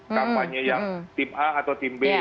kampanye yang tim a atau tim b